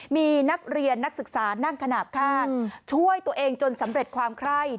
มีนักเรียนนักศึกษานั่งขนาดข้างช่วยตัวเองจนสำเร็จความไคร้